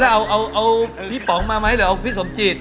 แล้วเอาพี่ป๋องมาไหมหรือเอาพี่สมจิต